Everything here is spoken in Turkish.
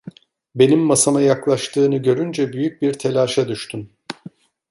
Benim masama yaklaştığını görünce büyük bir telaşa düştüm.